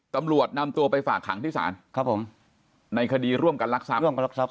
ตำรวจนำตัวไปฝากขังที่ศาลครับผมในคดีร่วมกันรักทรัพร่วมกันรักทรัพ